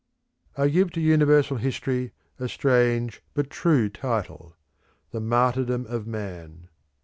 I give to universal history a strange but true title The Martyrdom of Man.